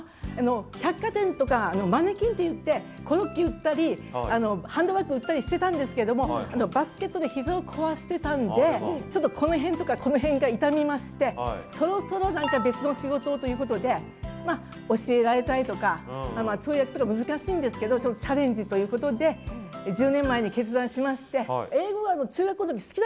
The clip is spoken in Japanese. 百貨店とかのマネキンっていってコロッケ売ったりハンドバッグ売ったりしてたんですけどもバスケットで膝を壊してたんでちょっとこの辺とかこの辺が痛みましてそろそろ何か別の仕事をいうことでまっ教えられたりとか通訳とか難しいんですけどチャレンジということで１０年前に決断しまして。